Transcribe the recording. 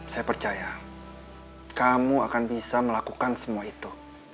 saya percaya kamu akan bisa melakukan semua itu